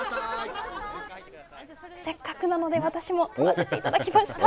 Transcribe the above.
せっかくなので私も撮らせていただきました。